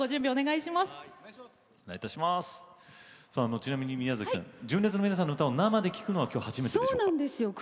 ちなみに宮崎さん純烈の皆さんの歌を生で聴くくのはきょう初めてでしょうか？